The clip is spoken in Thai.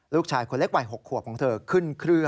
ลูกชายคนเล็กวัย๖ขวบของเธอขึ้นเครื่อง